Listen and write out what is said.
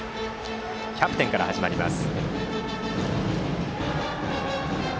キャプテンから始まります。